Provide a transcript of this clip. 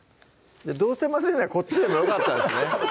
どうせ混ぜるならこっちでもよかったですね